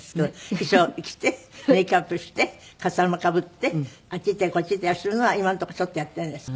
衣装を着てメーキャップしてカツラもかぶってあっち行ったりこっち行ったりするのは今のとこちょっとやっているんです。